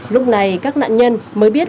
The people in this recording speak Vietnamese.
lúc này các nạn nhân mới biết